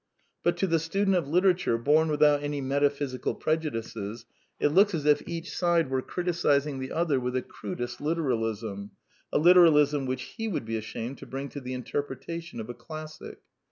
But, to the student of literature, bom without any metaphysical prejudices, it looks as if each side were criticising the other with the crudest liter alism, a literalism which he would be ashamed to bring to the interpretation of a classic.